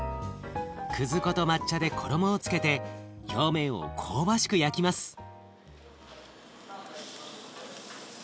くず粉と抹茶で衣をつけて表面を香ばしく焼きます。